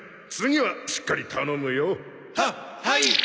次はしっかり頼むよ。ははい。